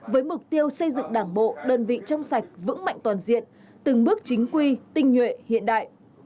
với mục tiêu xây dựng đảng bộ đơn vị trong sạch vững mạnh toàn diện từng bước chính quy tinh nhuệ hiện đại